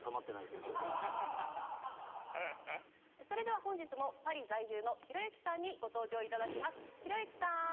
それでは本日もパリ在住のひろゆきさんにご登場頂きます。